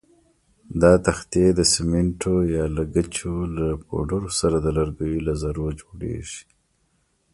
دا تختې د سمنټو یا ګچو له پوډرو سره د لرګیو له ذرو جوړېږي.